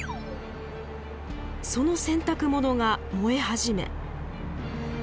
その洗濯物が燃え始め。